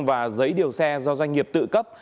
và giấy điều xe do doanh nghiệp tự cấp